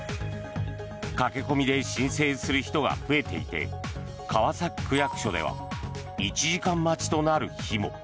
駆け込みで申請する人が増えていて川崎区役所では１時間待ちとなる日も。